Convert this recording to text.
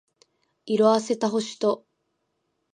色褪せた星と